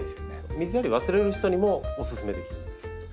水やり忘れる人にもおすすめできるんですよ。